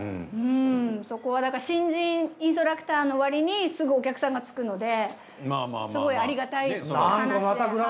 そこはだから新人インストラクターのわりにすぐお客さんがつくのですごいありがたい話。